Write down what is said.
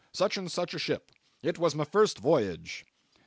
Such and such a ship. It was my first voyage."